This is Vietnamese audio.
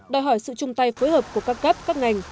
đòi hỏi sự chung tay phối hợp của các cấp các ngành